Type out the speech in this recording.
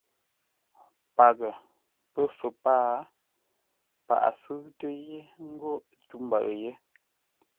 Paghʼə, Pəfə̂r pâa; paghʼə sʉ́ʉtə yé ńgó tû mbəʉ yé.